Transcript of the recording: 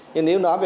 nhưng nếu nói về